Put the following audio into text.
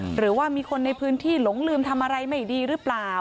หรือว่ามีคนในพื้นที่หลงลืมทำอะไรไม่ดีหรือเปล่า